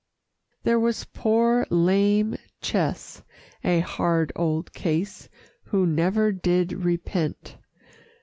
There was Poor Lame Ches, a hard old case Who never did repent.